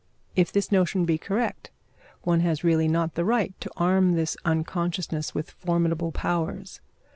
If this notion be correct, one has really not the right to arm this unconsciousness with formidable powers.